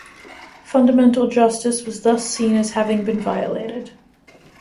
Fundamental justice was thus seen as having been violated.